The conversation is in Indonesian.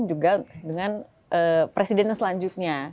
juga dengan presiden selanjutnya